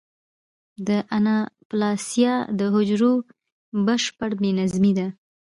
د اناپلاسیا د حجرو بشپړ بې نظمي ده.